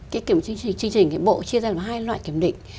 cái kiểm định chương trình bộ chia ra là hai loại kiểm định